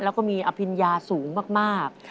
แล้วก็มีอภิญญาสูงมาก